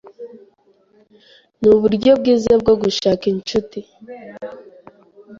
Nuburyo bwiza bwo gushaka inshuti.